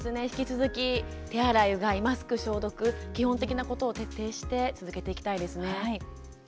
引き続き手洗いうがいマスク消毒基本的なことを徹底していきたいですね。